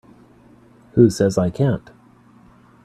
Who says I can't?